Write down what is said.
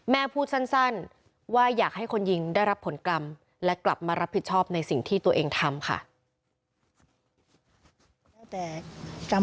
พูดสั้นว่าอยากให้คนยิงได้รับผลกรรมและกลับมารับผิดชอบในสิ่งที่ตัวเองทำค่ะ